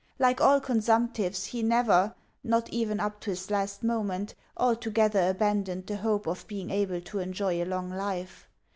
Like all consumptives, he never not even up to his last moment altogether abandoned the hope of being able to enjoy a long life.